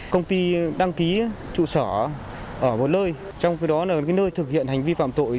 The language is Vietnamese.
công ty đăng ký trụ sở ở một nơi trong khi đó là nơi thực hiện hành vi phạm tội